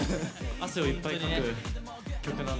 汗をいっぱいかく曲なので。